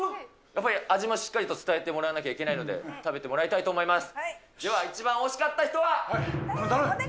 やっぱり味もしっかりと伝えてもらわなきゃいけないので、食べてもらいたいと思います。